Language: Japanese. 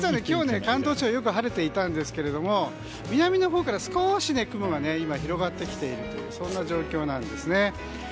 今日、関東地方よく晴れていたんですが南の方から少し雲が広がってきているという状況なんですね。